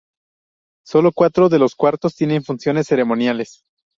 Sólo cuatro de los cuartos tienen funciones ceremoniales.